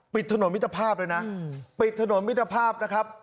ปิดถนนวิทยาภาพเลยนะปิดถนนวิทยาภาพนะครับ